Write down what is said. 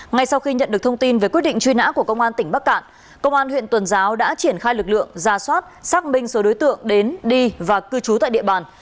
ngay sau khi nhận được thông tin về quyết định truy nã của công an tỉnh bắc cạn công an huyện tuần giáo đã triển khai lực lượng ra soát xác minh số đối tượng đến đi và cư trú tại địa bàn